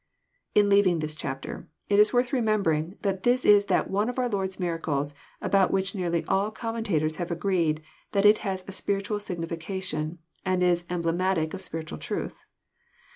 In leaving this chapter, It is worth remembering that this is that one of our Lord's miracles about which nearly all commen tators have agreed that it has a spiritual signification, and is emblematic of spiritual truth.